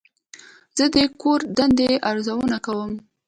زه د کور دندې ارزونه کوم.